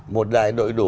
một đại đội đủ